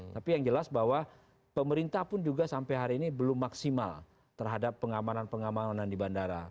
tapi yang jelas bahwa pemerintah pun juga sampai hari ini belum maksimal terhadap pengamanan pengamanan di bandara